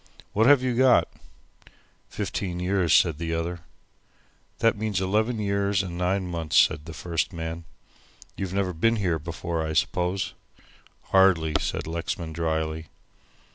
"What have you got!" "Fifteen years," said the other. "That means 11 years and 9 months," said the first man. "You've never been here before, I suppose?" "Hardly," said Lexman, drily.